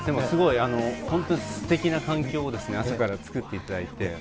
すごい本当にすてきな環境を朝から作っていただいて。